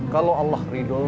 kalau allah ridul